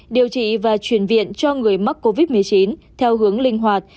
điều trị và chuyển viện cho người mắc covid một mươi chín theo hướng linh hoạt